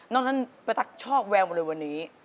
น้องท่านประทักชอบแวลว์มาเลยวันนี้